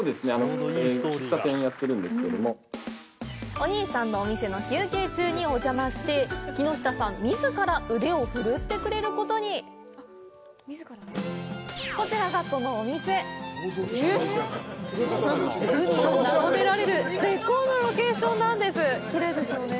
お兄さんのお店の休憩中にお邪魔して木下さんみずから腕を振るってくれることにこちらがそのお店海を眺められる絶好のロケーションなんです